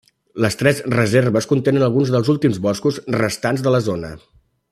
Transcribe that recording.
Les tres reserves contenen alguns dels últims boscos restants de la zona.